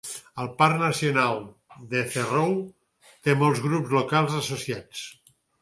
El parc nacional Etherow té molts grups locals associats.